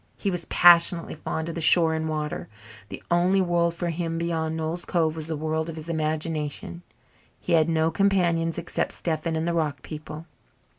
He was passionately fond of the shore and water. The only world for him beyond Noel's Cove was the world of his imagination. He had no companions except Stephen and the "rock people."